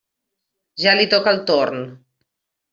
Ja li toca el torn.